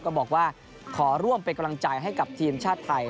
ก็บอกว่าขอร่วมเป็นกำลังใจให้กับทีมชาติไทย